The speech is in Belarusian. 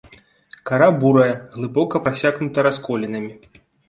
Кара бурая, глыбока прасякнута расколінамі.